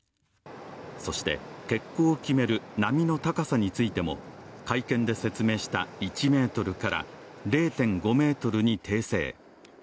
そして、欠航を決める波の高さについて会見で説明した１ｍから０．５ｍに訂正。